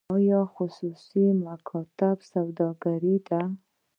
آیا خصوصي مکاتب سوداګري ده؟